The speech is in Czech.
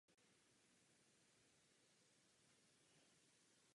Uppsala je sídlem arcibiskupa a luteránské arcidiecéze.